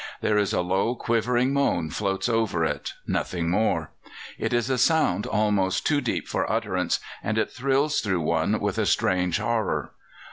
There is a low, quivering moan floats over it nothing more; it is a sound almost too deep for utterance, and it thrills through one with a strange horror.